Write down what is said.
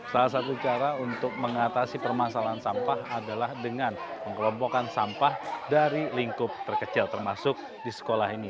salah satu cara untuk mengatasi permasalahan sampah adalah dengan mengelompokkan sampah dari lingkup terkecil termasuk di sekolah ini